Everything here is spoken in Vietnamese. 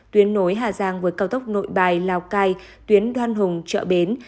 tuyến nối hà giang với cao tốc nội bài lào cai tuyến đoan hùng chợ bến